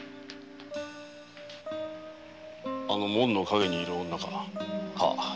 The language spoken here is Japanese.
あの門の陰にいる女かな？